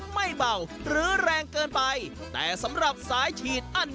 ไม่เบาหรือแรงเกินไป